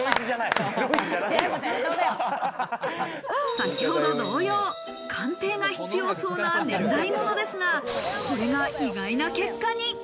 先ほど同様、鑑定が必要そうな年代ものですが、これが意外な結果に。